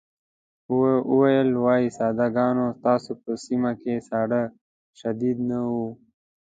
وویل وای ساده ګانو ستاسو په سيمه کې ساړه شديد نه وو.